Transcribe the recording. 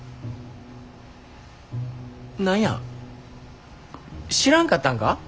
何や知らんかったんか？